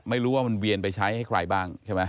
ไม่รู้ว่ามันเวียนไปใช้ให้ใครบ้างใช่ไหม